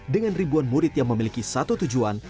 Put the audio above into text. dengan ribuan murid yang memiliki satu tujuan